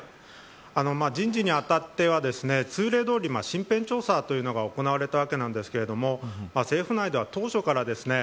人事にあたってはですね通例どおり身辺調査というのが行われたわけなんですが政府内では当初からですね